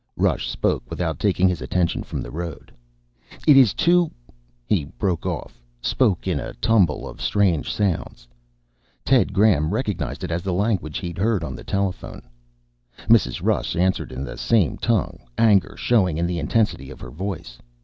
Rush spoke without taking his attention from the road. "It is too ..." He broke off, spoke in a tumble of strange sounds. Ted Graham recognized it as the language he'd heard on the telephone. Mrs. Rush answered in the same tongue, anger showing in the intensity of her voice.